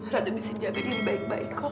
ratu bisa jaga diri baik baik kok